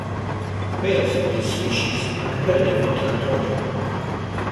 Males of these species are competitive and territorial.